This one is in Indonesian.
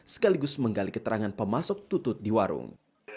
sekaligus menggali keterangan pemasok tutut di warung